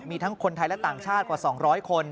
มีทั้งคนไทยและต่างชาติกว่า๒๐๐คน